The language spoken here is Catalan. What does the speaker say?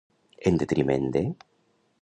En detriment de.